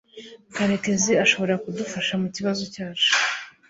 Karekezi ashobora kudufasha mukibazo cyacu